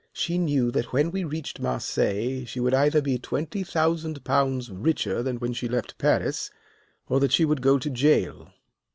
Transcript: She knew that when we reached Marseilles she would either be twenty thousand pounds richer than when she left Paris, or that she would go to jail.